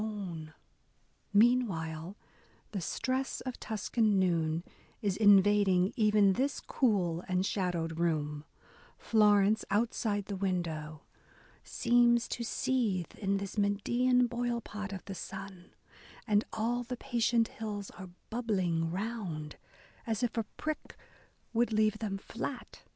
BROWNING Meanwhile the stress of Tuscan noon " is invading even this cool and shadowed room : Florence, outside the window, Seems to seethe In this Medean boilpot of the sun, And all the patient hills are bubbling round, As if a prick would leave them flat."